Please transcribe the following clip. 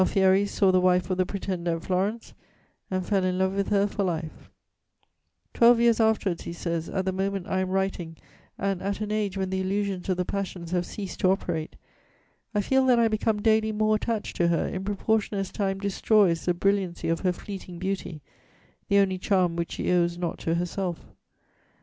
Alfieri saw the wife of the Pretender at Florence, and fell in love with her for life: "Twelve years afterwards," he says, "at the moment I am writing, and at an age when the illusions of the passions have ceased to operate, I feel that I become daily more attached to her, in proportion as time destroys the brilliancy of her fleeting beauty, the only charm which she owes not to herself.